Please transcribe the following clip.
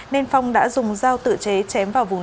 nên phong đã dùng dao tự chế chém vào vùng